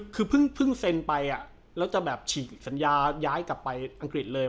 คือเพิ่งเซ็นไปแล้วจะแบบฉีกสัญญาย้ายกลับไปอังกฤษเลย